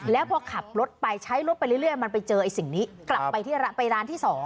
แล้วพอขับรถไปใช้รถไปเรื่อยมันไปเจอไอ้สิ่งนี้กลับไปที่ร้านไปร้านที่๒